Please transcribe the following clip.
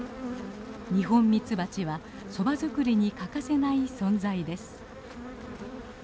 ニホンミツバチはソバ作りに欠かせない存在です。